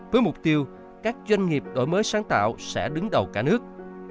với mục tiêu các doanh nghiệp đổi mới sáng tạo sẽ đứng đầu cả nước